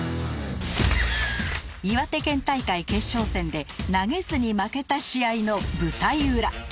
岩手県大会決勝戦で投げずに負けた試合の舞台裏